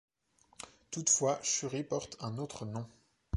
Toutefois, Shuri porte un autre nom.